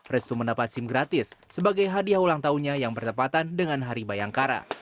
restu mendapat sim gratis sebagai hadiah ulang tahunnya yang bertepatan dengan hari bayangkara